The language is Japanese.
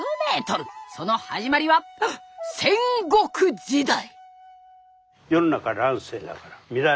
その始まりは戦国時代！